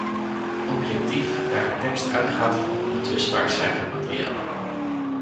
Objectief daar de tekst uitgaat van onbetwistbaar cijfermateriaal.